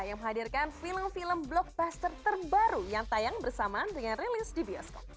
yang menghadirkan film film blockbuster terbaru yang tayang bersamaan dengan rilis di bioskop